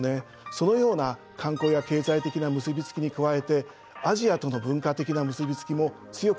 そのような観光や経済的な結び付きに加えてアジアとの文化的な結び付きも強くなっています。